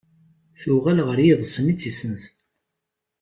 Tuɣal ɣer yiḍes-nni i tt-yessensen.